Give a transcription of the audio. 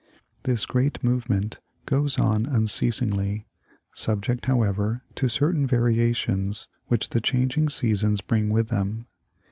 This great movement goes on unceasingly, subject, however, to certain variations which the changing seasons bring with them.